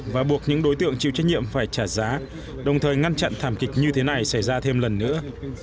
và buộc những đối tượng chịu trách nhiệm phải trả giá đồng thời ngăn chặn thảm kịch như thế này xảy ra thêm lần nữa